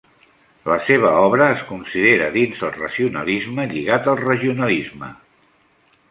La seva obra es considera dins el racionalisme lligat al regionalisme.